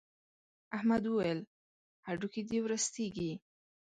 احمد وويل: هډوکي دې ورستېږي.